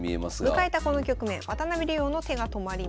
迎えたこの局面渡辺竜王の手が止まります。